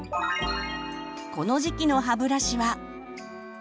この時期の歯ブラシは。